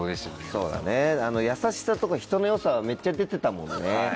そうだね優しさとか人の良さはめっちゃ出てたもんね。